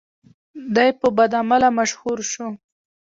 دی په بدعمله مشهور شو.